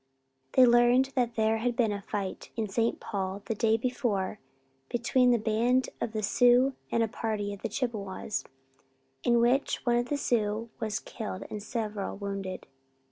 They learned that there had been a fight in St. Paul the day before between this band of Sioux and a party of Chippewas in which one of the Sioux was killed and several wounded.